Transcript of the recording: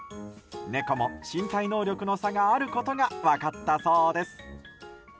猫も身体能力の差があることが分かったそうです。